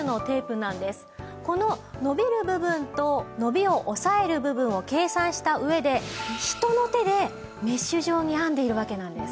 この伸びる部分と伸びを抑える部分を計算した上で人の手でメッシュ状に編んでいるわけなんです。